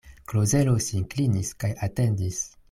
Klozelo sin klinis kaj atendis.